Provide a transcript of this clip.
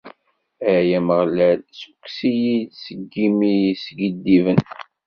Ay Ameɣlal, ssukkes-iyi-d seg yimi i yeskiddiben.